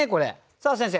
さあ先生